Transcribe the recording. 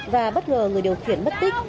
và bất ngờ người điều khiển bất tích